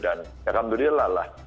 dan ya alhamdulillah lah